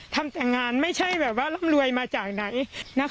ทำงานไม่ใช่แบบว่าร่ำรวยมาจากไหนนะคะ